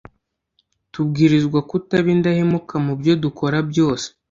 tubwirizwa kutaba indahemuka mubyo dukora byose